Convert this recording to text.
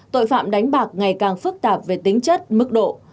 tội phạm đánh bạc ngày càng phức tạp về tính chất mức độ